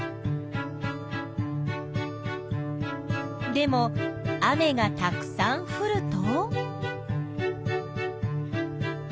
でも雨がたくさんふると。